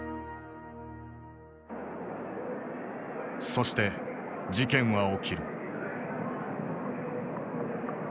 そして事件は起きる。